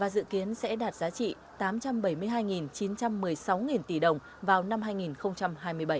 dự kiến sẽ đạt giá trị tám trăm bảy mươi hai chín trăm một mươi sáu tỷ đồng vào năm hai nghìn hai mươi bảy